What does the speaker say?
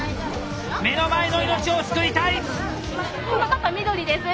目の前の命を救いたい！